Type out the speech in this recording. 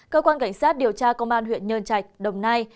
cơ quan cảnh sát điều tra công an huyện nhơn trạch đồng nai